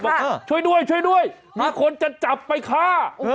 บอกช่วยด้วยมีคนจะจับไปฆ่า